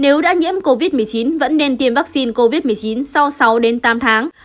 nếu đã nhiễm covid một mươi chín vẫn nên tiêm vaccine covid một mươi chín sau sáu đến tám tháng